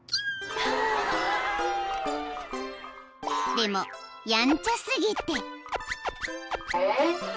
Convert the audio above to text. ［でもやんちゃ過ぎて］